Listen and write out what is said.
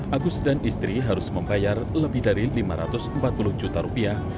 agus dan istri harus membayar lebih dari lima ratus empat puluh juta rupiah